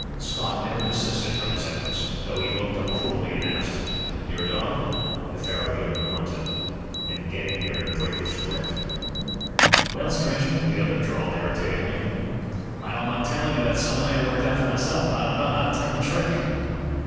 Scott never desisted from his efforts, though he looked up coolly and asked: "Your dog?" The faro dealer grunted. "Then get in here and break this grip." "Well, stranger," the other drawled irritatingly, "I don't mind telling you that's something I ain't worked out for myself. I don't know how to turn the trick."